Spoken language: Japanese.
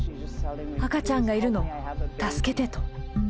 赤ちゃんがいるの、助けてと。